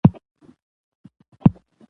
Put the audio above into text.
احمدشاه بابا د پښتنو ستر مشر ګڼل کېږي.